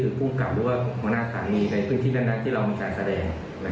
คือผู้กับหรือว่าคุณภาคศาลในพื้นที่นั้นที่เรามีการแสดง